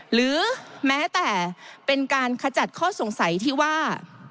หรือแม้แต่เป็นการขจัดข้อสงสัยที่ว่า